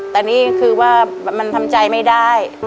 แต่นี่คือว่ามันทำใจไม่ได้